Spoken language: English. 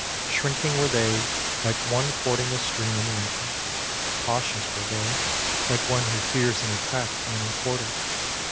Shrinking were they, like one fording a stream in winter. Cautious were they, like one who fears an attack from any quarter.